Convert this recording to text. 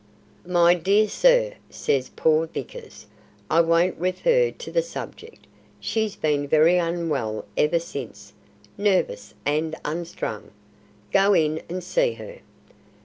"My dear sir," says poor Vickers, "I won't refer to the subject. She's been very unwell ever since. Nervous and unstrung. Go in and see her."